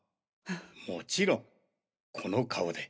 もちろんこの顔で。